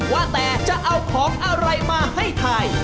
ว่าแต่จะเอาของอะไรมาให้ไทย